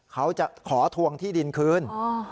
เขาจะขอทวงที่ดินคืน